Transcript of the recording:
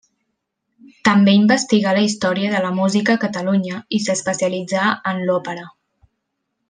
També investigà la història de la música a Catalunya i s'especialitzà en l'òpera.